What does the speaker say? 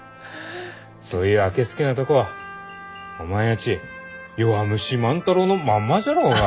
そういうあけすけなとこはおまんやち弱虫万太郎のまんまじゃろうが！